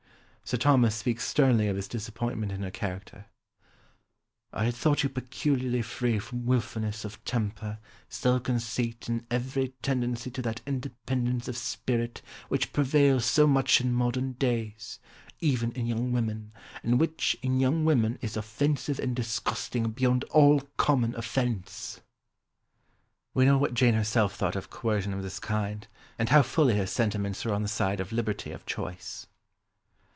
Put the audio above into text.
Sir Thomas speaks sternly of his disappointment in her character, "I had thought you peculiarly free from wilfulness of temper, self conceit and every tendency to that independence of spirit which prevails so much in modern days, even in young women, and which, in young women, is offensive and disgusting beyond all common offence." We know what Jane herself thought of coercion of this kind, and how fully her sentiments were on the side of liberty of choice.